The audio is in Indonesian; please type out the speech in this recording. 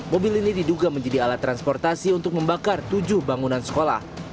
mobil ini diduga menjadi alat transportasi untuk membakar tujuh bangunan sekolah